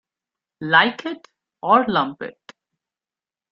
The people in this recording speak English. Like it or lump it.